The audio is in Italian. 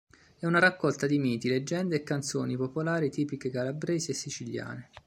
È una raccolta di miti, leggende e canzoni popolari tipiche calabresi e siciliane.